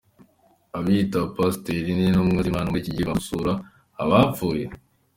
Abiyita abapasiteri n’intumwa z’Imana muri iki gihe baba bazura abapfuye?.